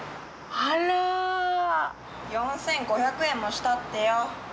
４，５００円もしたってよ！